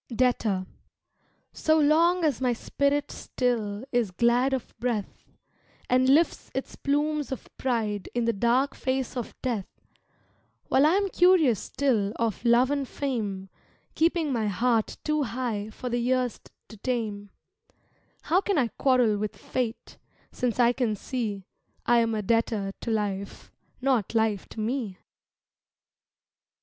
Debtor So long as my spirit still Is glad of breath And lifts its plumes of pride In the dark face of death; While I am curious still Of love and fame, Keeping my heart too high For the years to tame, How can I quarrel with fate Since I can see I am a debtor to life, Not life to me?